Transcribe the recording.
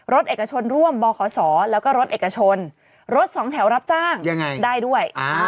เอกชนร่วมบขศแล้วก็รถเอกชนรถสองแถวรับจ้างได้ด้วย